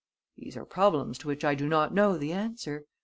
These are problems to which I do not know the answer.